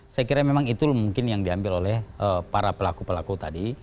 saya kira memang itu mungkin yang diambil oleh para pelaku pelaku tadi